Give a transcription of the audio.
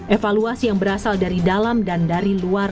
evaluasi yang berasal dari dalam dan dari luar